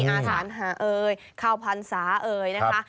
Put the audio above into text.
อาถารณ์หาเอยเข้าพรรษาเอยนะคะ